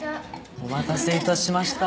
お待たせいたしました。